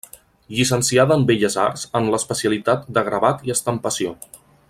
Llicenciada en Belles Arts, en l'especialitat de gravat i estampació.